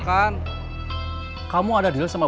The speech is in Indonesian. kali ini gelar ini adalah odd yang watak ranger